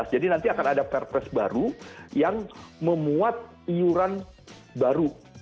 jadi nanti akan ada perpres baru yang memuat iuran baru